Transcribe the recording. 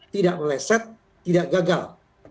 tidak meleset tidak gagal